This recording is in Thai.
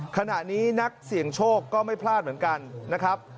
ขณะนี้นักเสี่ยงโชคก็ไม่พลาดเหมือนกันนะครับ